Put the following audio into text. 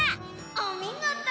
おみごと！